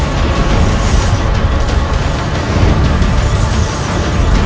berada di dalam istana